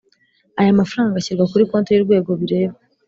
Ayo mafaranga ashyirwa kuri konti y’Urwego bireba